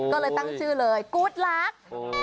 ก็เลยตั้งชื่อเลยกู๊ดลักษณ์